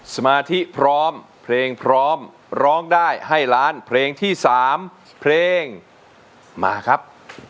สมาธิพร้อมเพลงพร้อมร้องได้ให้ล้านเพลงที่๓เพลงมาครับ